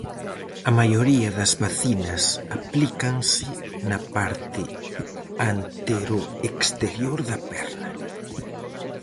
A maioría das vacinas aplícanse na parte anteroexterior da perna.